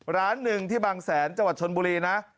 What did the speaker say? ร้านหนึ่งที่บางแสนจังหวัดชนบุรีนะ